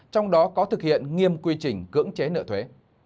trong đó có thực hiện nghiêm quy trình cưỡng chế nợ thuế